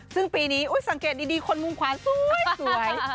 ซึ่งปีนี้สังเกตดีคนมุมขวานสวย